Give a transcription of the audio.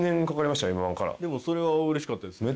でもそれはうれしかったですね。